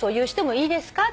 いいですか？